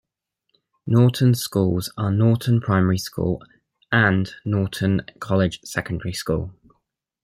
Norton's schools are Norton Primary School, and Norton College secondary school.